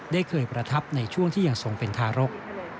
ได้เคยประทับในช่วงที่ยังทรงเป็นทารก